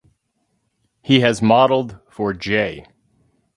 He has modeled for J.